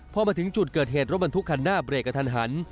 พอมาถึงจุดเกิดเหตุรถบรรทุกคันหน้าเบรกกระทันหัน